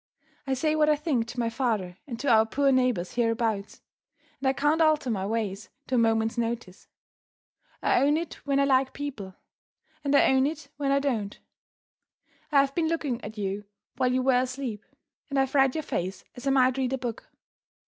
I say what I think to my father and to our poor neighbors hereabouts and I can't alter my ways at a moment's notice. I own it when I like people; and I own it when I don't. I have been looking at you while you were asleep; and I have read your face as I might read a book.